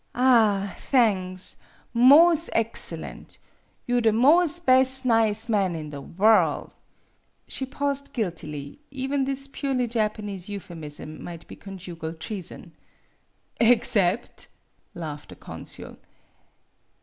"Ah thangs, most excellent. You the mos' bes' nize man in the worl' " She paused guiltily; even this purely 62 MADAME BUTTERFLY Japanese euphemism might be conjugal treason. " Except ?" laughed the consul.